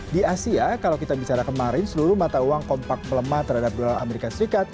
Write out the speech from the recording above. di asia kalau kita bicara kemarin seluruh mata uang kompak pelemah terhadap dolar as